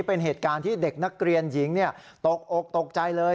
เป็นเหตุการณ์ที่เด็กนักเรียนหญิงตกอกตกใจเลย